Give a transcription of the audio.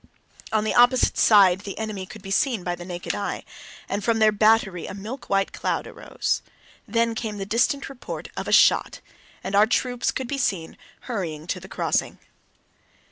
On the opposite side the enemy could be seen by the naked eye, and from their battery a milk white cloud arose. Then came the distant report of a shot, and our troops could be seen hurrying to the crossing.